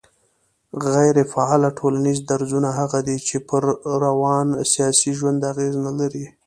غيري فعاله ټولنيز درځونه هغه دي چي پر روان سياسي ژوند اغېز نه لري